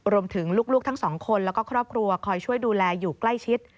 รวมถึงลูกทั้งสองคนแล้วก็ครอบครัวคอยช่วยดูแลอยู่ใกล้ชิด